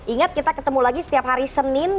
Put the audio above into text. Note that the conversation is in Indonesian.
ingat kita ketemu lagi setiap hari senin